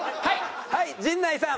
はい陣内さん。